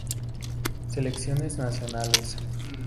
Selecciones Nacionales